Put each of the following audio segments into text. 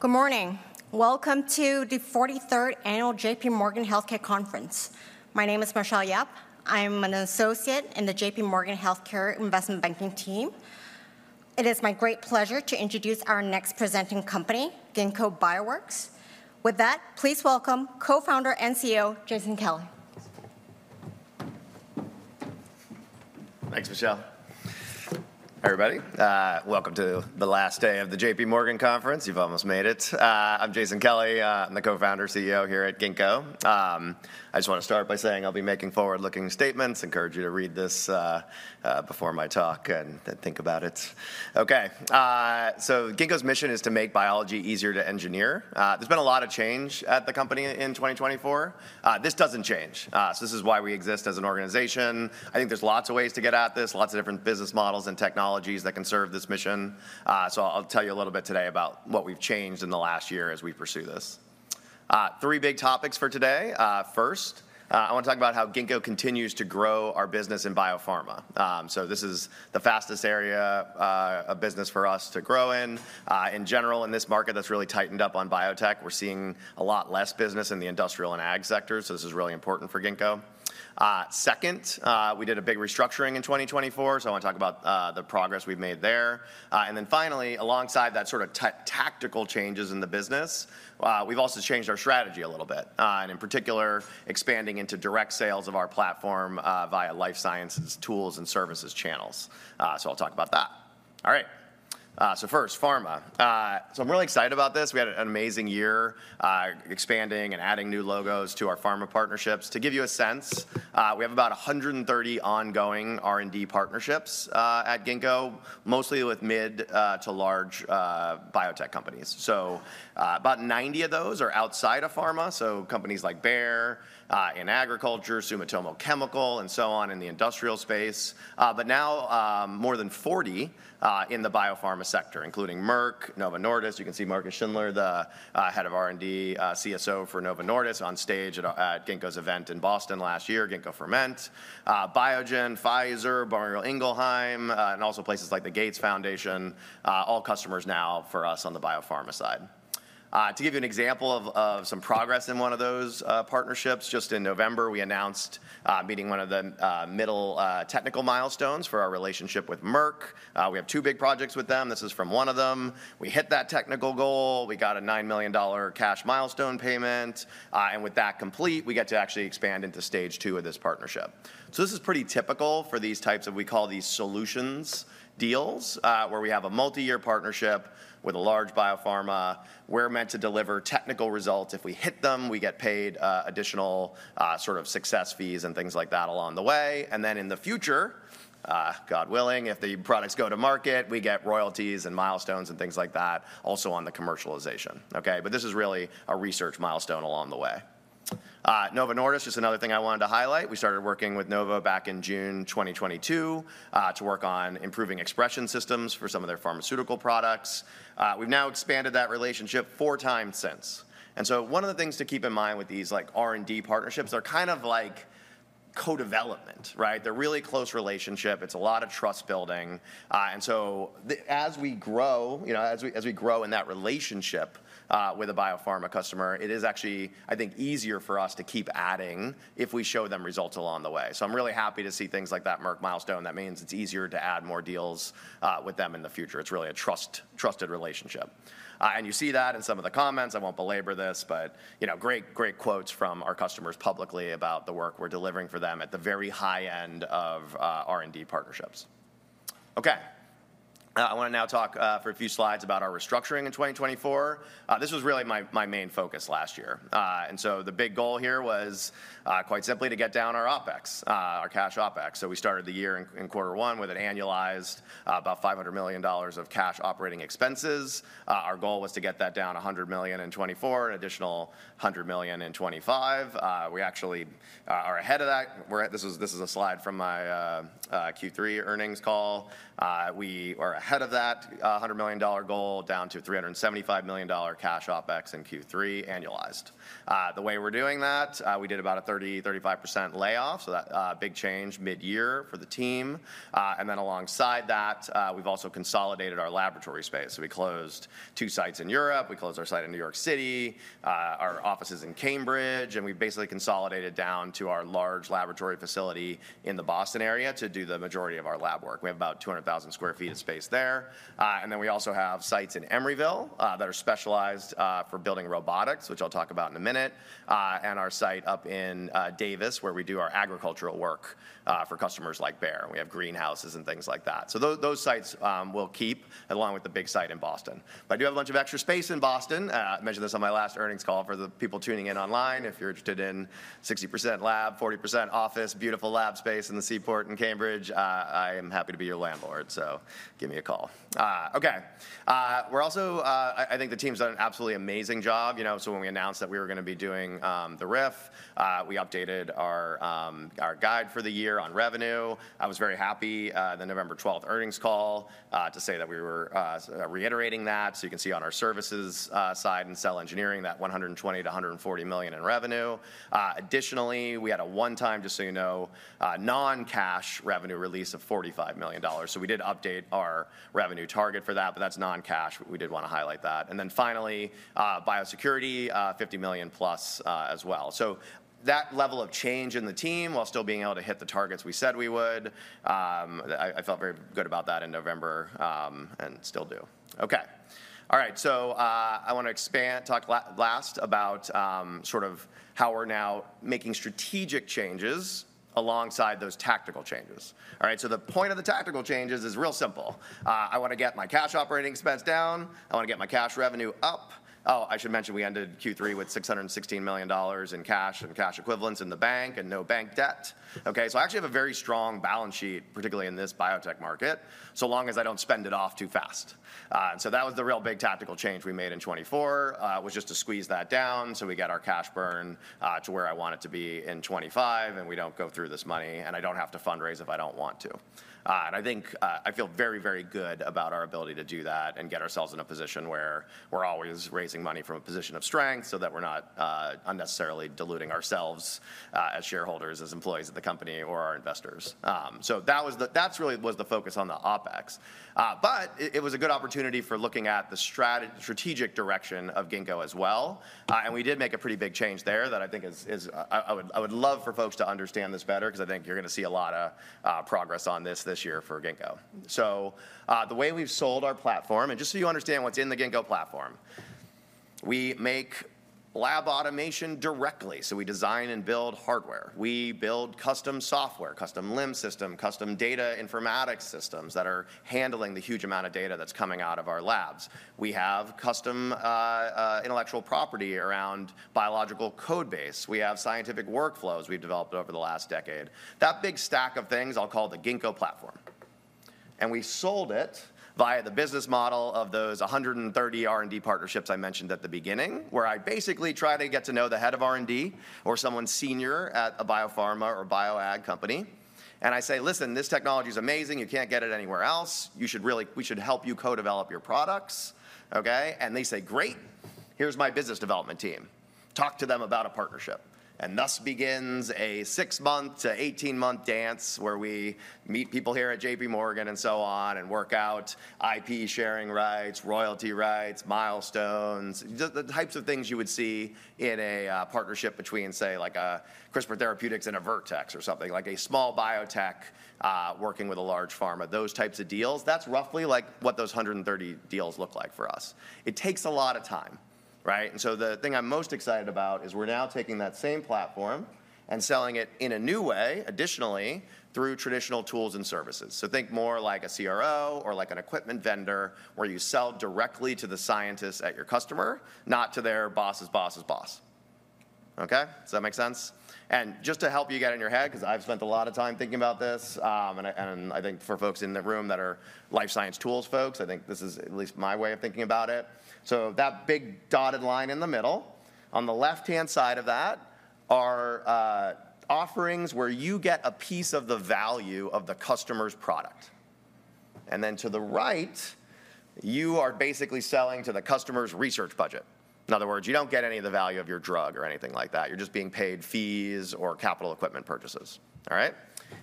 Good morning. Welcome to the 43rd Annual J.P. Morgan Healthcare Conference. My name is Michelle Yap. I'm an associate in the J.P. Morgan Healthcare Investment Banking team. It is my great pleasure to introduce our next presenting company, Ginkgo Bioworks. With that, please welcome co-founder and CEO Jason Kelly. Thanks, Michelle. Everybody, welcome to the last day of the J.P. Morgan Conference. You've almost made it. I'm Jason Kelly. I'm the co-founder and CEO here at Ginkgo. I just want to start by saying I'll be making forward-looking statements. I encourage you to read this before my talk and think about it. OK, so Ginkgo's mission is to make biology easier to engineer. There's been a lot of change at the company in 2024. This doesn't change. So this is why we exist as an organization. I think there's lots of ways to get at this, lots of different business models and technologies that can serve this mission. So I'll tell you a little bit today about what we've changed in the last year as we pursue this. Three big topics for today. First, I want to talk about how Ginkgo continues to grow our business in biopharma. So this is the fastest area of business for us to grow in. In general, in this market that's really tightened up on biotech, we're seeing a lot less business in the industrial and ag sectors. So this is really important for Ginkgo. Second, we did a big restructuring in 2024. So I want to talk about the progress we've made there, and then finally, alongside that sort of tactical changes in the business, we've also changed our strategy a little bit, and in particular, expanding into direct sales of our platform via life sciences tools and services channels, so I'll talk about that. All right, so first, pharma, so I'm really excited about this. We had an amazing year expanding and adding new logos to our pharma partnerships. To give you a sense, we have about 130 ongoing R&D partnerships at Ginkgo, mostly with mid to large biotech companies. So about 90 of those are outside of pharma, so companies like Bayer in agriculture, Sumitomo Chemical, and so on in the industrial space. But now more than 40 in the biopharma sector, including Merck, Novo Nordisk. You can see Marcus Schindler, the head of R&D, CSO for Novo Nordisk, on stage at Ginkgo's event in Boston last year, Ginkgo Ferment. Biogen, Pfizer, Boehringer Ingelheim, and also places like the Gates Foundation, all customers now for us on the biopharma side. To give you an example of some progress in one of those partnerships, just in November, we announced meeting one of the middle technical milestones for our relationship with Merck. We have two big projects with them. This is from one of them. We hit that technical goal. We got a $9 million cash milestone payment. With that complete, we get to actually expand into stage two of this partnership. So this is pretty typical for these types of, we call these solutions deals, where we have a multi-year partnership with a large biopharma. We're meant to deliver technical results. If we hit them, we get paid additional sort of success fees and things like that along the way. And then in the future, God willing, if the products go to market, we get royalties and milestones and things like that, also on the commercialization. OK, but this is really a research milestone along the way. Novo Nordisk, just another thing I wanted to highlight. We started working with Novo back in June 2022 to work on improving expression systems for some of their pharmaceutical products. We've now expanded that relationship four times since. And so, one of the things to keep in mind with these R&D partnerships, they're kind of like co-development. They're really close relationship. It's a lot of trust building. And so as we grow, as we grow in that relationship with a biopharma customer, it is actually, I think, easier for us to keep adding if we show them results along the way. So I'm really happy to see things like that Merck milestone. That means it's easier to add more deals with them in the future. It's really a trusted relationship. And you see that in some of the comments. I won't belabor this, but great quotes from our customers publicly about the work we're delivering for them at the very high end of R&D partnerships. OK, I want to now talk for a few slides about our restructuring in 2024. This was really my main focus last year. And so the big goal here was quite simply to get down our OPEX, our cash OPEX. So we started the year in quarter one with an annualized about $500 million of cash operating expenses. Our goal was to get that down $100 million in 2024, an additional $100 million in 2025. We actually are ahead of that. This is a slide from my Q3 earnings call. We are ahead of that $100 million goal, down to $375 million cash OPEX in Q3, annualized. The way we're doing that, we did about a 30%-35% layoff. So that big change mid-year for the team. And then alongside that, we've also consolidated our laboratory space. So we closed two sites in Europe. We closed our site in New York City, our offices in Cambridge. We've basically consolidated down to our large laboratory facility in the Boston area to do the majority of our lab work. We have about 200,000 sq ft of space there. We also have sites in Emeryville that are specialized for building robotics, which I'll talk about in a minute, and our site up in Davis, where we do our agricultural work for customers like Bayer. We have greenhouses and things like that. Those sites we'll keep, along with the big site in Boston. I do have a bunch of extra space in Boston. I mentioned this on my last earnings call for the people tuning in online. If you're interested in 60% lab, 40% office, beautiful lab space in the Seaport and Cambridge, I am happy to be your landlord. Give me a call. OK, we're also, I think the team's done an absolutely amazing job. So when we announced that we were going to be doing the RIF, we updated our guide for the year on revenue. I was very happy at the November 12 earnings call to say that we were reiterating that. So you can see on our services side in cell engineering that $120 million-$140 million in revenue. Additionally, we had a one-time, just so you know, non-cash revenue release of $45 million. So we did update our revenue target for that, but that's non-cash. We did want to highlight that. And then finally, biosecurity, $50 million plus as well. So that level of change in the team, while still being able to hit the targets we said we would, I felt very good about that in November and still do. OK, all right, so I want to talk last about sort of how we're now making strategic changes alongside those tactical changes. All right, so the point of the tactical changes is real simple. I want to get my cash operating expense down. I want to get my cash revenue up. Oh, I should mention we ended Q3 with $616 million in cash and cash equivalents in the bank and no bank debt. OK, so I actually have a very strong balance sheet, particularly in this biotech market, so long as I don't spend it off too fast. And so that was the real big tactical change we made in 2024. It was just to squeeze that down so we get our cash burn to where I want it to be in 2025, and we don't go through this money, and I don't have to fundraise if I don't want to. And I think I feel very, very good about our ability to do that and get ourselves in a position where we're always raising money from a position of strength so that we're not unnecessarily diluting ourselves as shareholders, as employees of the company, or our investors. So that really was the focus on the OpEx. But it was a good opportunity for looking at the strategic direction of Ginkgo as well. And we did make a pretty big change there that I think I would love for folks to understand this better, because I think you're going to see a lot of progress on this this year for Ginkgo. So the way we've sold our platform, and just so you understand what's in the Ginkgo platform, we make lab automation directly. We design and build hardware. We build custom software, custom LIMS, custom data informatics systems that are handling the huge amount of data that's coming out of our labs. We have custom intellectual property around biological code base. We have scientific workflows we've developed over the last decade. That big stack of things I'll call the Ginkgo platform. We sold it via the business model of those 130 R&D partnerships I mentioned at the beginning, where I basically try to get to know the head of R&D or someone senior at a biopharma or bio-ag company. I say, listen, this technology is amazing. You can't get it anywhere else. We should help you co-develop your products. They say, great. Here's my business development team. Talk to them about a partnership. And thus begins a six-month to 18-month dance where we meet people here at JPMorgan and so on and work out IP sharing rights, royalty rights, milestones, the types of things you would see in a partnership between, say, like a CRISPR Therapeutics and a Vertex or something, like a small biotech working with a large pharma, those types of deals. That's roughly like what those 130 deals look like for us. It takes a lot of time. And so the thing I'm most excited about is we're now taking that same platform and selling it in a new way, additionally, through traditional tools and services. So think more like a CRO or like an equipment vendor where you sell directly to the scientists at your customer, not to their boss's boss's boss. OK, does that make sense? Just to help you get in your head, because I've spent a lot of time thinking about this, and I think for folks in the room that are life science tools folks, I think this is at least my way of thinking about it. That big dotted line in the middle, on the left-hand side of that, are offerings where you get a piece of the value of the customer's product. Then to the right, you are basically selling to the customer's research budget. In other words, you don't get any of the value of your drug or anything like that. You're just being paid fees or capital equipment purchases. All right.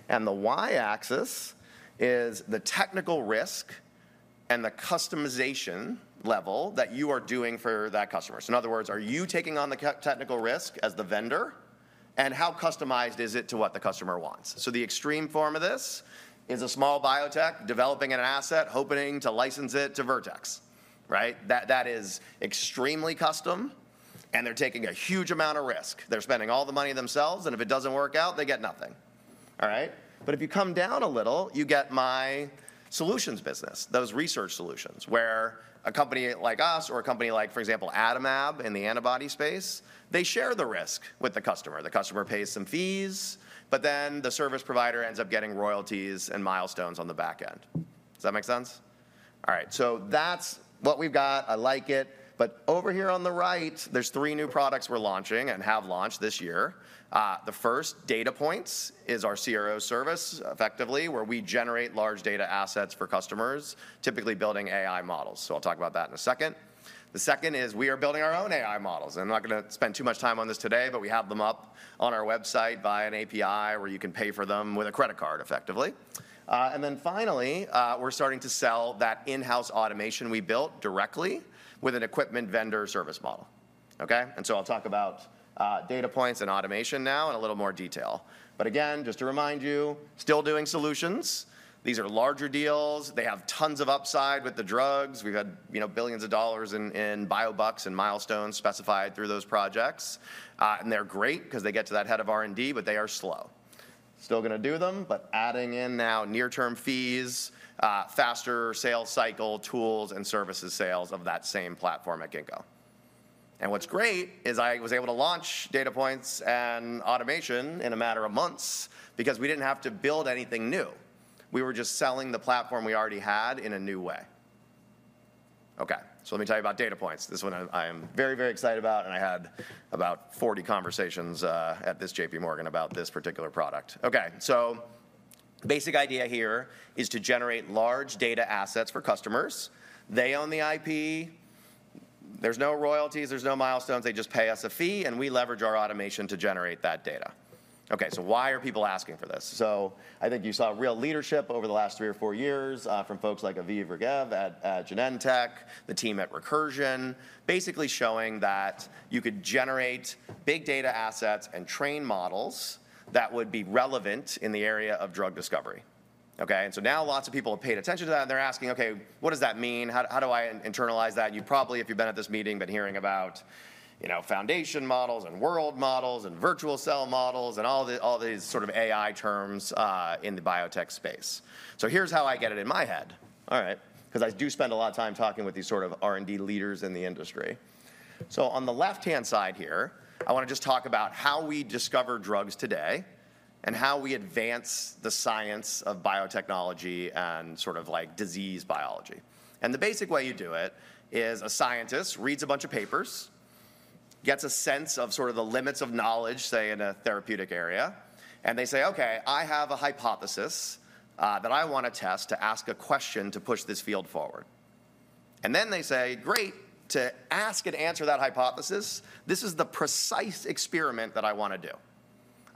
The y-axis is the technical risk and the customization level that you are doing for that customer. In other words, are you taking on the technical risk as the vendor? And how customized is it to what the customer wants? So the extreme form of this is a small biotech developing an asset, hoping to license it to Vertex. That is extremely custom, and they're taking a huge amount of risk. They're spending all the money themselves. And if it doesn't work out, they get nothing. All right, but if you come down a little, you get my solutions business, those research solutions, where a company like us or a company like, for example, Adimab in the antibody space, they share the risk with the customer. The customer pays some fees, but then the service provider ends up getting royalties and milestones on the back end. Does that make sense? All right, so that's what we've got. I like it. But over here on the right, there's three new products we're launching and have launched this year. The first, Datapoints, is our CRO service, effectively, where we generate large data assets for customers, typically building AI models. So I'll talk about that in a second. The second is we are building our own AI models. And I'm not going to spend too much time on this today, but we have them up on our website via an API where you can pay for them with a credit card, effectively. And then finally, we're starting to sell that in-house automation we built directly with an equipment vendor service model. And so I'll talk about Datapoints and automation now in a little more detail. But again, just to remind you, still doing solutions. These are larger deals. They have tons of upside with the drugs. We've had billions of dollars in bio-bucks and milestones specified through those projects. They're great because they get to that head of R&D, but they are slow. Still going to do them, but adding in now near-term fees, faster sales cycle tools and services sales of that same platform at Ginkgo. What's great is I was able to launch Datapoints and automation in a matter of months because we didn't have to build anything new. We were just selling the platform we already had in a new way. OK, so let me tell you about Datapoints. This one I am very, very excited about. I had about 40 conversations at this JPMorgan about this particular product. OK, so the basic idea here is to generate large data assets for customers. They own the IP. There's no royalties. There's no milestones. They just pay us a fee. We leverage our automation to generate that data. OK, so why are people asking for this? So I think you saw real leadership over the last three or four years from folks like Aviv Regev at Genentech, the team at Recursion, basically showing that you could generate big data assets and train models that would be relevant in the area of drug discovery. And so now lots of people have paid attention to that. And they're asking, OK, what does that mean? How do I internalize that? And you probably, if you've been at this meeting, been hearing about foundation models and world models and virtual cell models and all these sort of AI terms in the biotech space. So here's how I get it in my head, all right, because I do spend a lot of time talking with these sort of R&D leaders in the industry. So on the left-hand side here, I want to just talk about how we discover drugs today and how we advance the science of biotechnology and sort of like disease biology. And the basic way you do it is a scientist reads a bunch of papers, gets a sense of sort of the limits of knowledge, say, in a therapeutic area. And they say, OK, I have a hypothesis that I want to test to ask a question to push this field forward. And then they say, great, to ask and answer that hypothesis, this is the precise experiment that I want to do.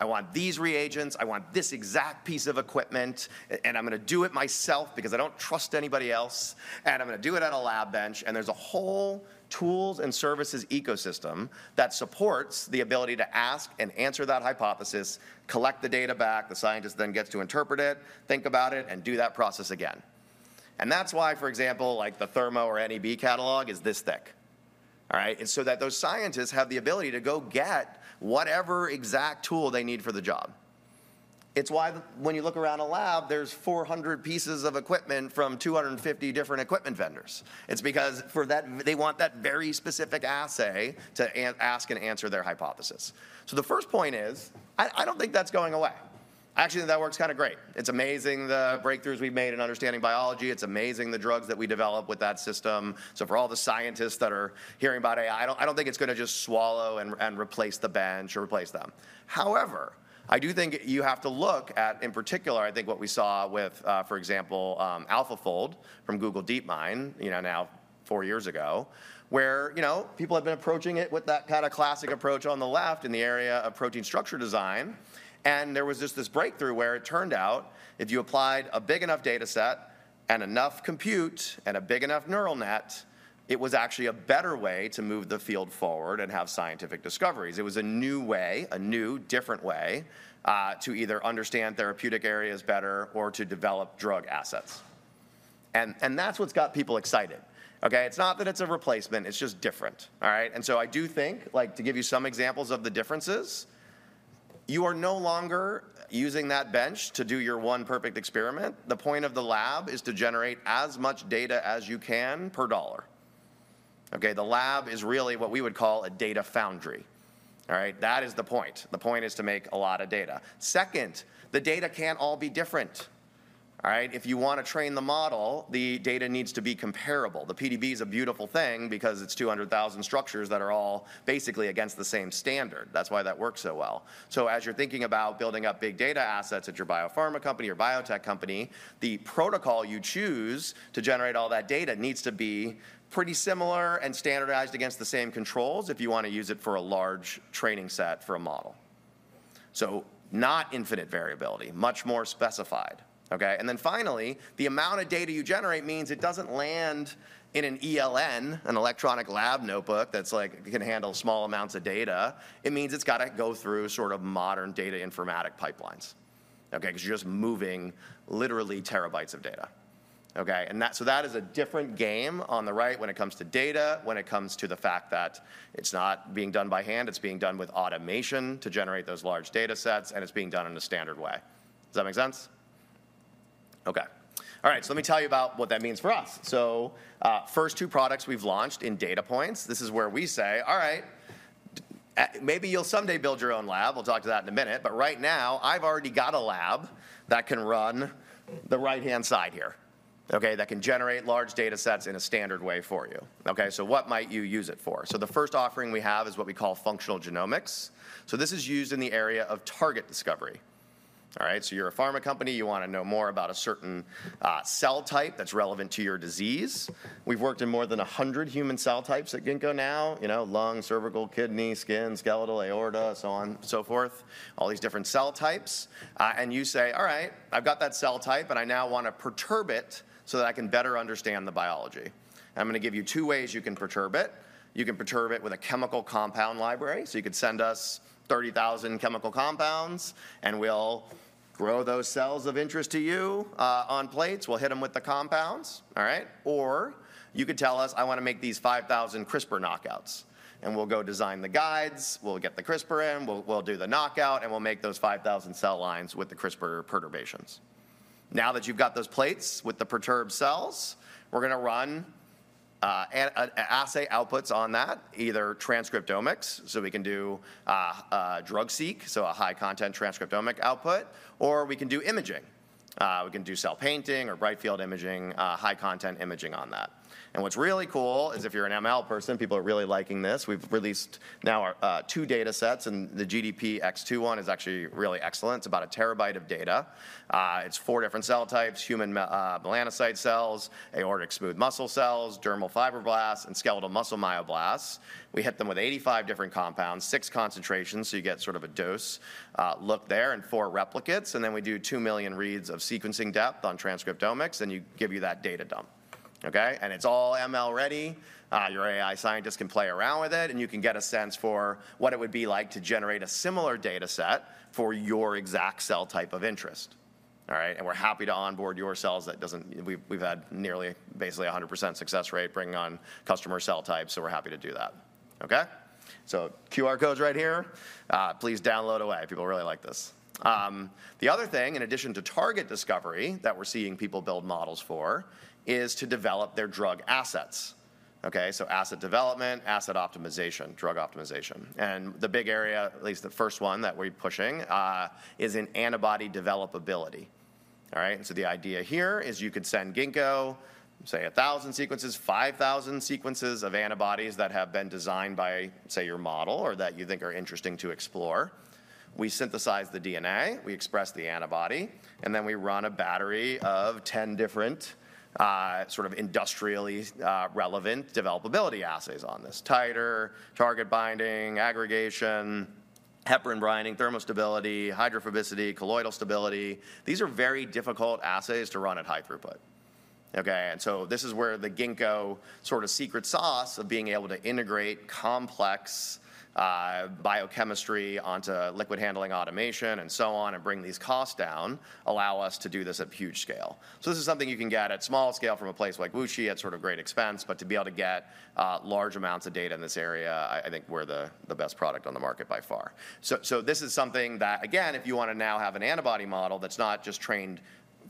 I want these reagents. I want this exact piece of equipment. And I'm going to do it myself because I don't trust anybody else. And I'm going to do it on a lab bench. There's a whole tools and services ecosystem that supports the ability to ask and answer that hypothesis, collect the data back. The scientist then gets to interpret it, think about it, and do that process again. That's why, for example, like the Thermo or NEB catalog is this thick, all right, so that those scientists have the ability to go get whatever exact tool they need for the job. It's why when you look around a lab, there's 400 pieces of equipment from 250 different equipment vendors. It's because they want that very specific assay to ask and answer their hypothesis. The first point is, I don't think that's going away. I actually think that works kind of great. It's amazing the breakthroughs we've made in understanding biology. It's amazing the drugs that we develop with that system. So, for all the scientists that are hearing about AI, I don't think it's going to just swallow and replace the bench or replace them. However, I do think you have to look at, in particular, I think what we saw with, for example, AlphaFold from Google DeepMind now four years ago, where people have been approaching it with that kind of classic approach on the left in the area of protein structure design. And there was just this breakthrough where it turned out if you applied a big enough data set and enough compute and a big enough neural net, it was actually a better way to move the field forward and have scientific discoveries. It was a new way, a new, different way to either understand therapeutic areas better or to develop drug assets. And that's what's got people excited. It's not that it's a replacement. It's just different, and so I do think, to give you some examples of the differences, you are no longer using that bench to do your one perfect experiment. The point of the lab is to generate as much data as you can per dollar. The lab is really what we would call a data foundry. That is the point. The point is to make a lot of data. Second, the data can't all be different. If you want to train the model, the data needs to be comparable. The PDB is a beautiful thing because it's 200,000 structures that are all basically against the same standard. That's why that works so well. So as you're thinking about building up big data assets at your biopharma company or biotech company, the protocol you choose to generate all that data needs to be pretty similar and standardized against the same controls if you want to use it for a large training set for a model. So not infinite variability, much more specified. And then finally, the amount of data you generate means it doesn't land in an ELN, an electronic lab notebook that can handle small amounts of data. It means it's got to go through sort of modern data informatics pipelines, because you're just moving literally terabytes of data. And so that is a different game on the right when it comes to data, when it comes to the fact that it's not being done by hand. It's being done with automation to generate those large data sets. And it's being done in a standard way. Does that make sense? OK, all right, so let me tell you about what that means for us. So first two products we've launched in DataPoints, this is where we say, all right, maybe you'll someday build your own lab. We'll talk to that in a minute. But right now, I've already got a lab that can run the right-hand side here that can generate large data sets in a standard way for you. So what might you use it for? So the first offering we have is what we call functional genomics. So this is used in the area of target discovery. So you're a pharma company. You want to know more about a certain cell type that's relevant to your disease. We've worked in more than 100 human cell types at Ginkgo now: lung, cervical, kidney, skin, skeletal, aorta, so on and so forth, all these different cell types. And you say, all right, I've got that cell type. And I now want to perturb it so that I can better understand the biology. I'm going to give you two ways you can perturb it. You can perturb it with a chemical compound library. So you could send us 30,000 chemical compounds. And we'll grow those cells of interest to you on plates. We'll hit them with the compounds. Or you could tell us, I want to make these 5,000 CRISPR knockouts. And we'll go design the guides. We'll get the CRISPR in. We'll do the knockout. And we'll make those 5,000 cell lines with the CRISPR perturbations. Now that you've got those plates with the perturbed cells, we're going to run assay outputs on that, either transcriptomics so we can do DRUG-seq, so a high-content transcriptomic output, or we can do imaging. We can do cell painting or bright field imaging, high-content imaging on that. And what's really cool is if you're an ML person, people are really liking this. We've released now two data sets. And the GDP2 one is actually really excellent. It's about a terabyte of data. It's four different cell types: human melanocyte cells, aortic smooth muscle cells, dermal fibroblasts, and skeletal muscle myoblasts. We hit them with 85 different compounds, six concentrations, so you get sort of a dose look there and four replicates. And then we do two million reads of sequencing depth on transcriptomics. And we give you that data dump. And it's all ML ready. Your AI scientist can play around with it, and you can get a sense for what it would be like to generate a similar data set for your exact cell type of interest, and we're happy to onboard your cells. We've had nearly basically 100% success rate bringing on customer cell types, so we're happy to do that, so QR codes right here. Please download away. People really like this. The other thing, in addition to target discovery that we're seeing people build models for, is to develop their drug assets, so asset development, asset optimization, drug optimization, and the big area, at least the first one that we're pushing, is in antibody developability, and so the idea here is you could send Ginkgo, say, 1,000 sequences, 5,000 sequences of antibodies that have been designed by, say, your model or that you think are interesting to explore. We synthesize the DNA. We express the antibody, and then we run a battery of 10 different sort of industrially relevant developability assays on this: titer, target binding, aggregation, heparin binding, thermostability, hydrophobicity, colloidal stability. These are very difficult assays to run at high throughput, and so this is where the Ginkgo sort of secret sauce of being able to integrate complex biochemistry onto liquid handling automation and so on and bring these costs down allow us to do this at huge scale. This is something you can get at small scale from a place like Genentech at sort of great expense. But to be able to get large amounts of data in this area, I think we're the best product on the market by far. So this is something that, again, if you want to now have an antibody model that's not just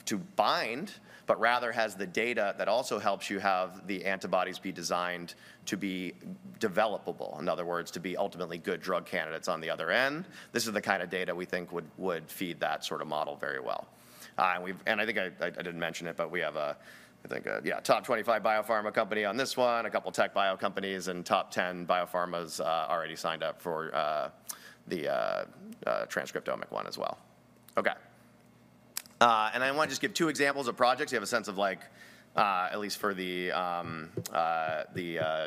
trained to bind, but rather has the data that also helps you have the antibodies be designed to be developable, in other words, to be ultimately good drug candidates on the other end. This is the kind of data we think would feed that sort of model very well. And I think I didn't mention it, but we have, I think, a top 25 biopharma company on this one, a couple of TechBio companies, and top 10 biopharmas already signed up for the transcriptomic one as well. And I want to just give two examples of projects so you have a sense of, at least for the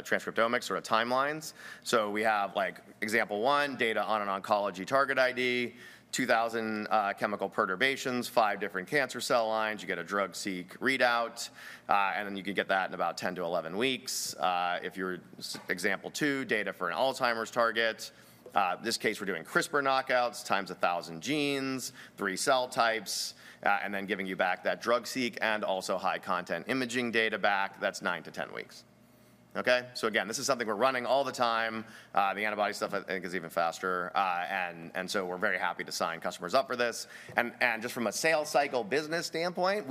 transcriptomics sort of timelines. So we have example one, data on an oncology target ID, 2,000 chemical perturbations, five different cancer cell lines. You get a DRUG-seq readout, and then you can get that in about 10 to 11 weeks. If you're example two, data for an Alzheimer's target. In this case, we're doing CRISPR knockouts times 1,000 genes, three cell types, and then giving you back that DRUG-seq and also high-content imaging data back. That's 9 to 10 weeks, so again, this is something we're running all the time. The antibody stuff, I think, is even faster, and so we're very happy to sign customers up for this, and just from a sales cycle business standpoint,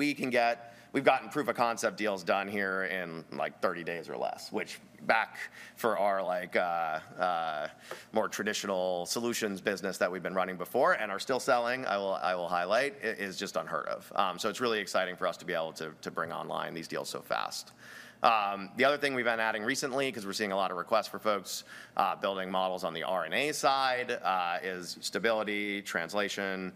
we've gotten proof of concept deals done here in like 30 days or less, which back for our more traditional solutions business that we've been running before and are still selling, I will highlight, is just unheard of, so it's really exciting for us to be able to bring online these deals so fast. The other thing we've been adding recently, because we're seeing a lot of requests for folks building models on the RNA side, is stability, translation,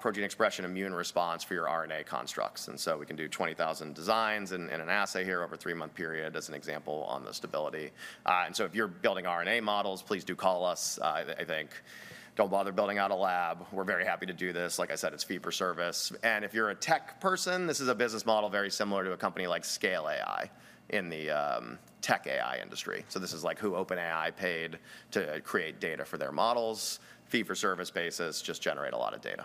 protein expression, immune response for your RNA constructs, and so we can do 20,000 designs in an assay here over a three-month period as an example on the stability, and so if you're building RNA models, please do call us. I think, don't bother building out a lab. We're very happy to do this. Like I said, it's fee-for-service. And if you're a tech person, this is a business model very similar to a company like Scale AI in the tech AI industry, so this is like who OpenAI paid to create data for their models, fee-for-service basis, just generate a lot of data,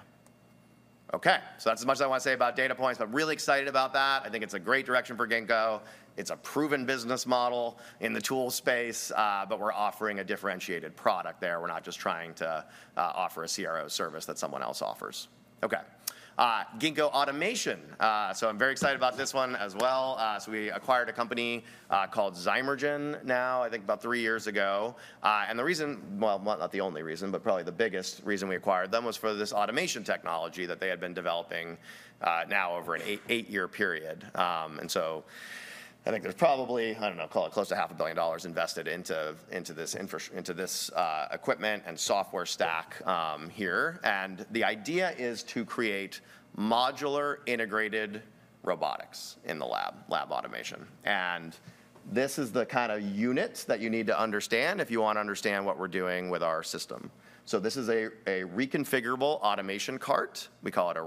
so that's as much as I want to say about DataPoints, but really excited about that. I think it's a great direction for Ginkgo. It's a proven business model in the tool space. But we're offering a differentiated product there. We're not just trying to offer a CRO service that someone else offers. Ginkgo Automation. So I'm very excited about this one as well. So we acquired a company called Zymergen now, I think, about three years ago. And the reason, well, not the only reason, but probably the biggest reason we acquired them was for this automation technology that they had been developing now over an eight-year period. And so I think there's probably, I don't know, call it close to $500 million invested into this equipment and software stack here. And the idea is to create modular integrated robotics in the lab, lab automation. This is the kind of units that you need to understand if you want to understand what we're doing with our system. This is a reconfigurable automation cart. We call it a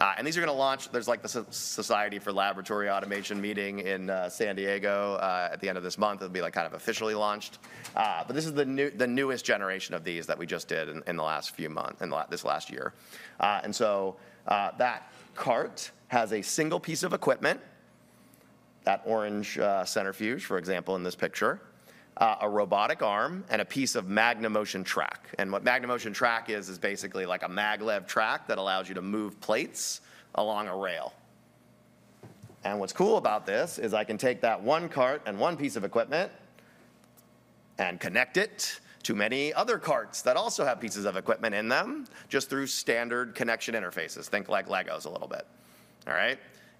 RAC. These are going to launch. There's like the Society for Laboratory Automation meeting in San Diego at the end of this month. It'll be kind of officially launched. This is the newest generation of these that we just did in this last year. That cart has a single piece of equipment, that orange centrifuge, for example, in this picture, a robotic arm, and a piece of MagneMotion track. What MagneMotion track is, is basically like a maglev track that allows you to move plates along a rail. And what's cool about this is I can take that one cart and one piece of equipment and connect it to many other carts that also have pieces of equipment in them just through standard connection interfaces. Think like Legos a little bit.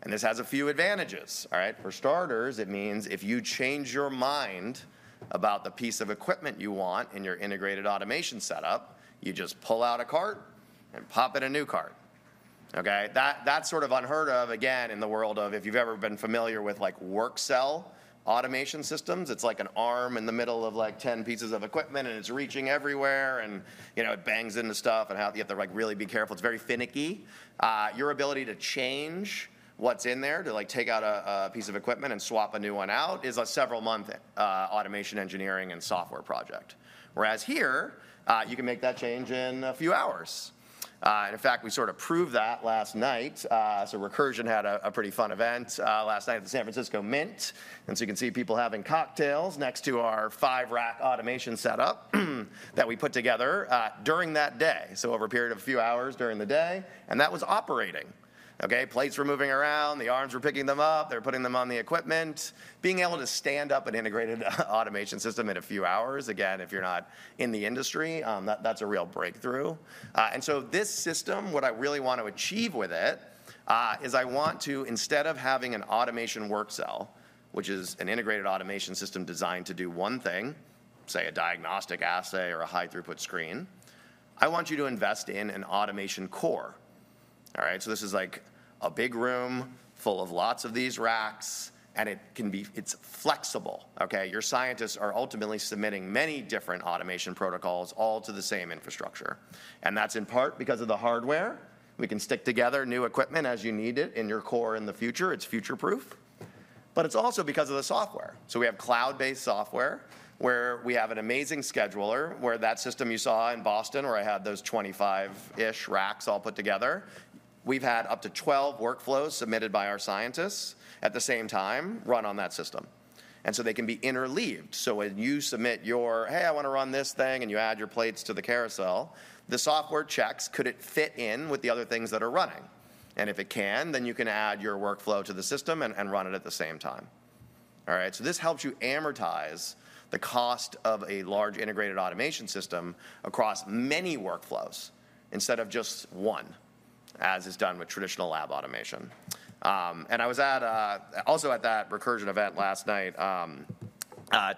And this has a few advantages. For starters, it means if you change your mind about the piece of equipment you want in your integrated automation setup, you just pull out a cart and pop in a new cart. That's sort of unheard of, again, in the world of if you've ever been familiar with work cell automation systems. It's like an arm in the middle of like 10 pieces of equipment. And it's reaching everywhere. And it bangs into stuff. And you have to really be careful. It's very finicky. Your ability to change what's in there, to take out a piece of equipment and swap a new one out, is a several-month automation engineering and software project. Whereas here, you can make that change in a few hours. And in fact, we sort of proved that last night. So Recursion had a pretty fun event last night at the San Francisco Mint. And so you can see people having cocktails next to our five-rack automation setup that we put together during that day, so over a period of a few hours during the day. And that was operating. Plates were moving around. The arms were picking them up. They were putting them on the equipment. Being able to stand up an integrated automation system in a few hours, again, if you're not in the industry, that's a real breakthrough. And so, this system—what I really want to achieve with it—is I want to, instead of having an automation work cell, which is an integrated automation system designed to do one thing, say a diagnostic assay or a high-throughput screen, invest in an automation core. So this is like a big room full of lots of these racks. And it's flexible. Your scientists are ultimately submitting many different automation protocols all to the same infrastructure. And that's in part because of the hardware. We can stick together new equipment as you need it in your core in the future. It's future-proof. But it's also because of the software. So we have cloud-based software where we have an amazing scheduler where that system you saw in Boston, where I had those 25-ish racks all put together, we've had up to 12 workflows submitted by our scientists at the same time run on that system. And so they can be interleaved. So when you submit your, hey, I want to run this thing, and you add your plates to the carousel, the software checks could it fit in with the other things that are running. And if it can, then you can add your workflow to the system and run it at the same time. So this helps you amortize the cost of a large integrated automation system across many workflows instead of just one, as is done with traditional lab automation. And I was also at that Recursion event last night.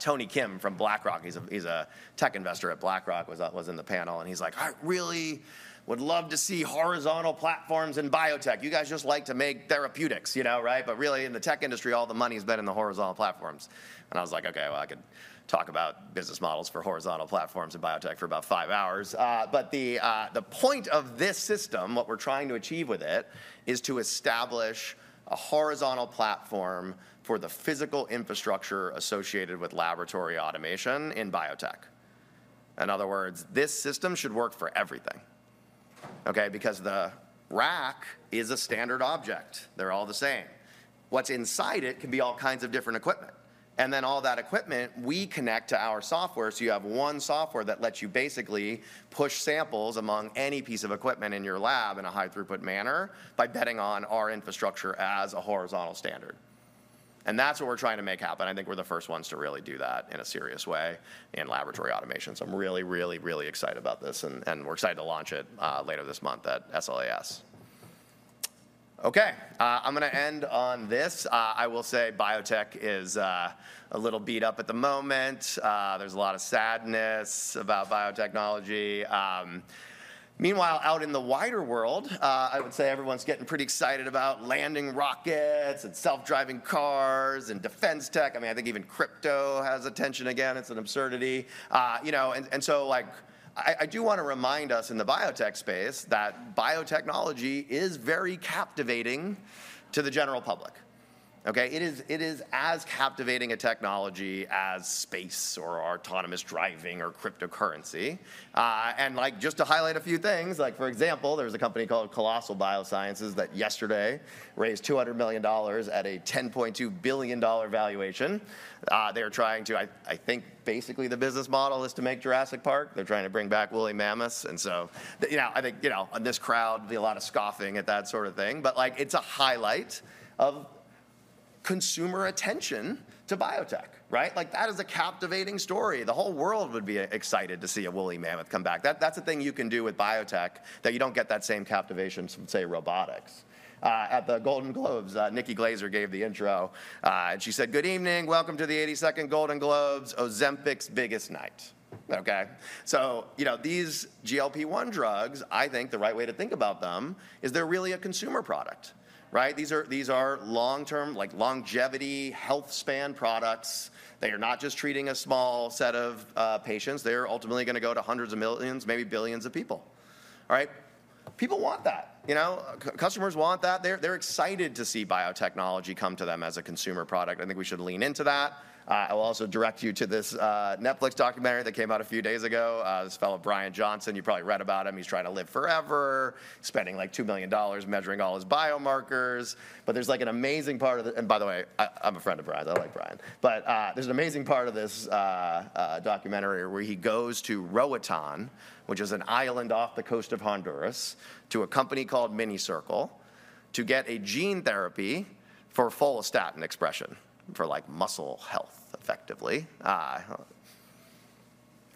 Tony Kim from BlackRock, he's a tech investor at BlackRock, was in the panel, and he's like, "I really would love to see horizontal platforms in biotech. You guys just like to make therapeutics, but really, in the tech industry, all the money has been in the horizontal platforms." And I was like, "OK, well, I could talk about business models for horizontal platforms and biotech for about five hours, but the point of this system, what we're trying to achieve with it, is to establish a horizontal platform for the physical infrastructure associated with laboratory automation in biotech." In other words, this system should work for everything because the rack is a standard object. They're all the same. What's inside it can be all kinds of different equipment, and then all that equipment, we connect to our software. So you have one software that lets you basically push samples among any piece of equipment in your lab in a high-throughput manner by betting on our infrastructure as a horizontal standard. And that's what we're trying to make happen. I think we're the first ones to really do that in a serious way in laboratory automation. So I'm really, really, really excited about this. And we're excited to launch it later this month at SLAS. I'm going to end on this. I will say biotech is a little beat up at the moment. There's a lot of sadness about biotechnology. Meanwhile, out in the wider world, I would say everyone's getting pretty excited about landing rockets and self-driving cars and defense tech. I mean, I think even crypto has attention again. It's an absurdity. I do want to remind us in the biotech space that biotechnology is very captivating to the general public. It is as captivating a technology as space or autonomous driving or cryptocurrency. Just to highlight a few things, for example, there's a company called Colossal Biosciences that yesterday raised $200 million at a $10.2 billion valuation. They are trying to, I think, basically the business model is to make Jurassic Park. They're trying to bring back woolly mammoths. I think on this crowd, there'll be a lot of scoffing at that sort of thing. It's a highlight of consumer attention to biotech. That is a captivating story. The whole world would be excited to see a woolly mammoth come back. That's a thing you can do with biotech that you don't get that same captivation, say, robotics. At the Golden Globes, Nikki Glaser gave the intro. She said, "Good evening. Welcome to the 82nd Golden Globes, Ozempic's biggest night." These GLP-1 drugs, I think the right way to think about them is they're really a consumer product. These are long-term, longevity, health span products. They are not just treating a small set of patients. They're ultimately going to go to hundreds of millions, maybe billions of people. People want that. Customers want that. They're excited to see biotechnology come to them as a consumer product. I think we should lean into that. I will also direct you to this Netflix documentary that came out a few days ago. This fellow, Bryan Johnson, you probably read about him. He's trying to live forever, spending like $2 million measuring all his biomarkers. But there's like an amazing part of the, and by the way, I'm a friend of Bryan. I like Bryan. But there's an amazing part of this documentary where he goes to Roatán, which is an island off the coast of Honduras, to a company called Minicircle to get a gene therapy for follistatin expression for muscle health, effectively.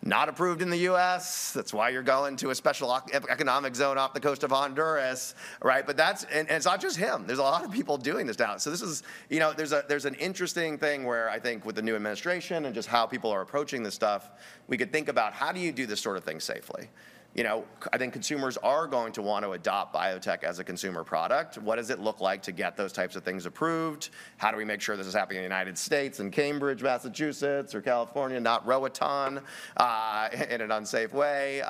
Not approved in the U.S. That's why you're going to a special economic zone off the coast of Honduras. And it's not just him. There's a lot of people doing this now. So there's an interesting thing where I think with the new administration and just how people are approaching this stuff, we could think about how do you do this sort of thing safely. I think consumers are going to want to adopt biotech as a consumer product. What does it look like to get those types of things approved? How do we make sure this is happening in the United States, in Cambridge, Massachusetts, or California, not Roatán in an unsafe way?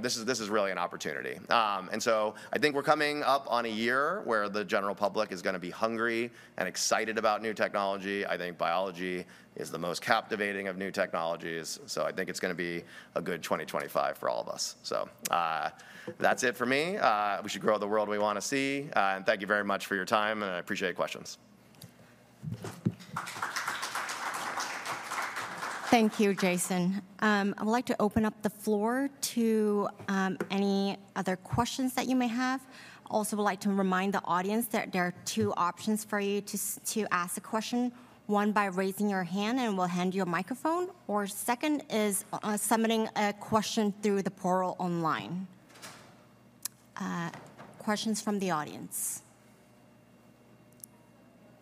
This is really an opportunity, and so I think we're coming up on a year where the general public is going to be hungry and excited about new technology. I think biology is the most captivating of new technologies, so I think it's going to be a good 2025 for all of us, so that's it for me. We should grow the world we want to see, and thank you very much for your time, and I appreciate your questions. Thank you, Jason. I would like to open up the floor to any other questions that you may have. Also, I would like to remind the audience that there are two options for you to ask a question. One, by raising your hand, and we'll hand you a microphone. Or second is submitting a question through the portal online. Questions from the audience.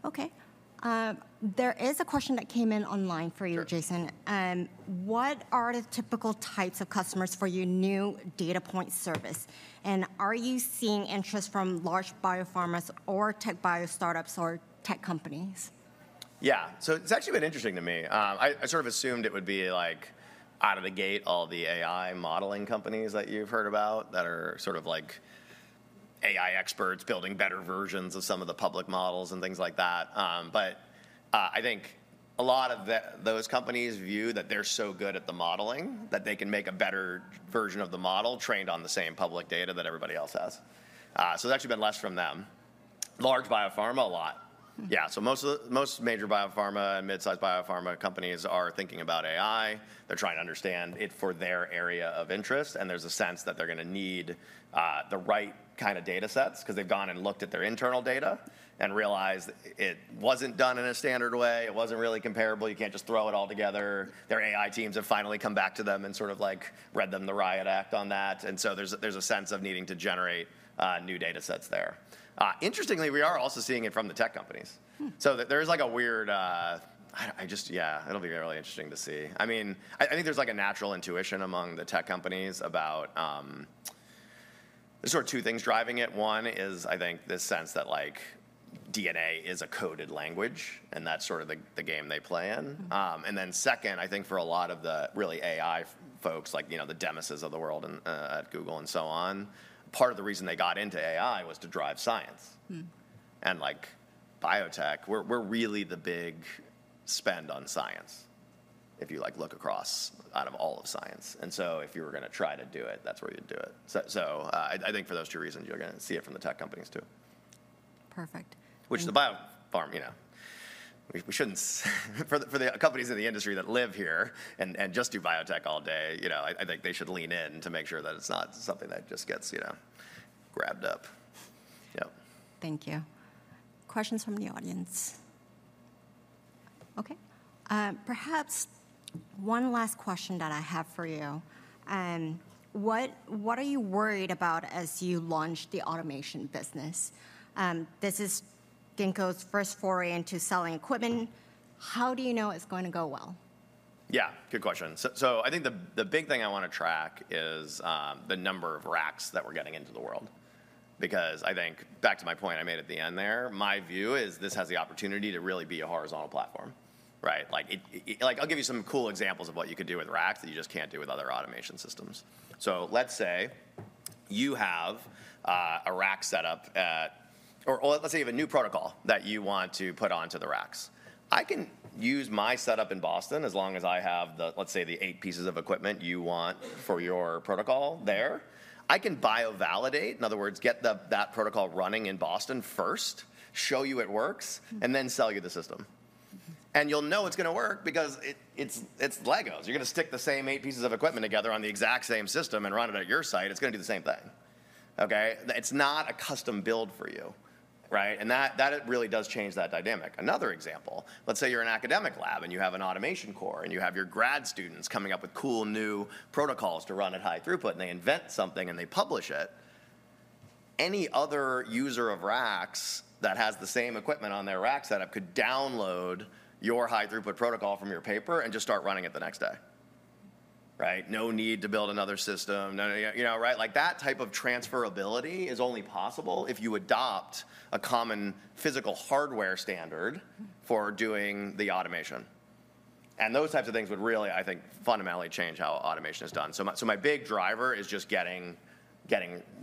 OK. There is a question that came in online for you, Jason. What are the typical types of customers for your new data point service? And are you seeing interest from large biopharmas, or tech bio startups, or tech companies? Yeah. So it's actually been interesting to me. I sort of assumed it would be like out of the gate all the AI modeling companies that you've heard about that are sort of like AI experts building better versions of some of the public models and things like that. But I think a lot of those companies view that they're so good at the modeling that they can make a better version of the model trained on the same public data that everybody else has. So it's actually been less from them. Large biopharma, a lot. Yeah. So most major biopharma and mid-size biopharma companies are thinking about AI. They're trying to understand it for their area of interest. There's a sense that they're going to need the right kind of data sets because they've gone and looked at their internal data and realized it wasn't done in a standard way. It wasn't really comparable. You can't just throw it all together. Their AI teams have finally come back to them and sort of read them the riot act on that. There's a sense of needing to generate new data sets there. Interestingly, we are also seeing it from the tech companies. There is like a weird, yeah, it'll be really interesting to see. I mean, I think there's like a natural intuition among the tech companies about there's sort of two things driving it. One is, I think, this sense that DNA is a coded language. That's sort of the game they play in. And then second, I think for a lot of the really AI folks, like the Demises of the world at Google and so on, part of the reason they got into AI was to drive science. And biotech, we're really the big spend on science if you look across, out of all of science. And so if you were going to try to do it, that's where you'd do it. So I think for those two reasons, you're going to see it from the tech companies, too. Perfect. With the biopharm, we shouldn't, for the companies in the industry that live here and just do biotech all day, I think they should lean in to make sure that it's not something that just gets grabbed up. Thank you. Questions from the audience. OK. Perhaps one last question that I have for you. What are you worried about as you launch the automation business? This is Ginkgo's first foray into selling equipment. How do you know it's going to go well? Yeah, good question. So I think the big thing I want to track is the number of racks that we're getting into the world. Because I think back to my point I made at the end there, my view is this has the opportunity to really be a horizontal platform. I'll give you some cool examples of what you could do with racks that you just can't do with other automation systems. So let's say you have a rack setup, or let's say you have a new protocol that you want to put onto the racks. I can use my setup in Boston as long as I have the, let's say, the eight pieces of equipment you want for your protocol there. I can bio-validate, in other words, get that protocol running in Boston first, show you it works, and then sell you the system. You'll know it's going to work because it's Legos. You're going to stick the same eight pieces of equipment together on the exact same system and run it at your site. It's going to do the same thing. It's not a custom build for you. And that really does change that dynamic. Another example, let's say you're an academic lab and you have an automation core. And you have your grad students coming up with cool new protocols to run at high throughput. And they invent something and they publish it. Any other user of racks that has the same equipment on their racks setup could download your high throughput protocol from your paper and just start running it the next day. No need to build another system. That type of transferability is only possible if you adopt a common physical hardware standard for doing the automation. And those types of things would really, I think, fundamentally change how automation is done. So my big driver is just getting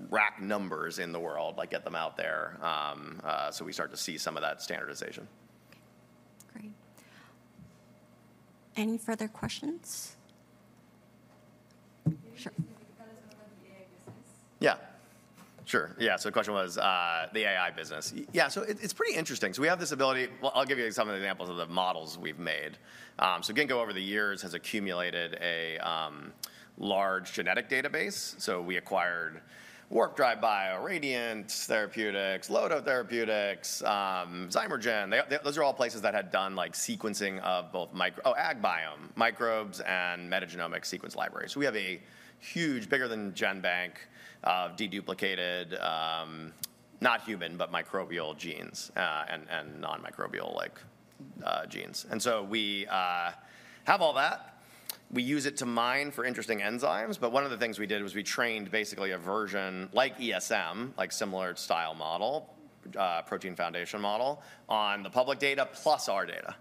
rack numbers in the world, get them out there so we start to see some of that standardization. Great. Any further questions? Sure. Can you think about some of the AI business? Yeah. Sure. Yeah. So the question was the AI business. Yeah. So it's pretty interesting. So we have this ability. I'll give you some of the examples of the models we've made. So Ginkgo, over the years, has accumulated a large genetic database. So we acquired Warp Drive Bio, Radiant Genomics, Lodo Therapeutics, Zymergen. Those are all places that had done sequencing of both microbes, AgBiome microbes and metagenomic sequence libraries. So we have a huge, bigger than GenBank of deduplicated, not human, but microbial genes and non-microbial genes. And so we have all that. We use it to mine for interesting enzymes. But one of the things we did was we trained basically a version like ESM, like similar style model, protein foundation model on the public data plus our data.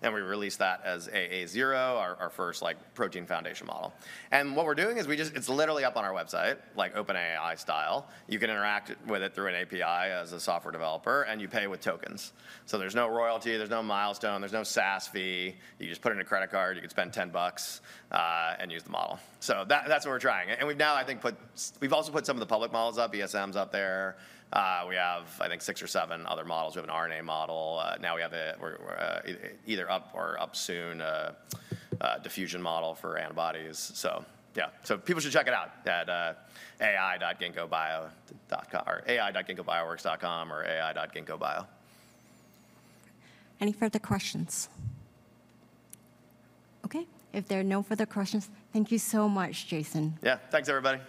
And we released that as AA-2, our first protein foundation model. And what we're doing is, it's literally up on our website, like OpenAI style. You can interact with it through an API as a software developer. And you pay with tokens. So there's no royalty. There's no milestone. There's no SaaS fee. You just put in a credit card. You could spend $10 and use the model. So that's what we're trying. And we've now, I think, also put some of the public models up, ESMs up there. We have, I think, six or seven other models. We have an RNA model. Now we have either up or up soon a diffusion model for antibodies. So yeah. So people should check it out at ai.ginkgobioworks.com or ai.ginkgobioworks.com. Any further questions? OK. If there are no further questions, thank you so much, Jason. Yeah. Thanks, everybody.